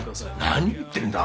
何を言ってるんだ！？